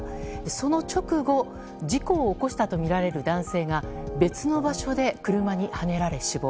その直後事故を起こしたとみられる男性が別の場所で車にはねられ死亡。